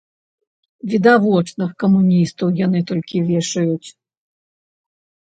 Відавочных камуністаў яны толькі вешаюць.